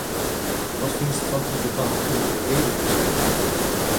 Wat fynst fan it debat oer gegevensbeskerming?